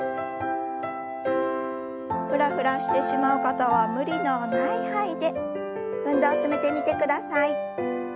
フラフラしてしまう方は無理のない範囲で運動を進めてみてください。